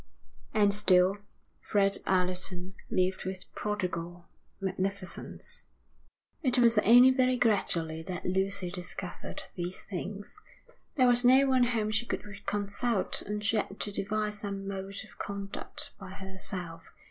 And still Fred Allerton lived with prodigal magnificence. It was only very gradually that Lucy discovered these things. There was no one whom she could consult, and she had to devise some mode of conduct by herself.